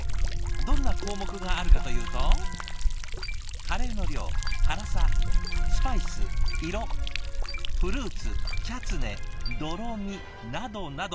どんな項目があるかというと「カレーの量」「辛さ」「スパイス」「色」「フルーツ」「チャツネ」「ドロ味」などなど。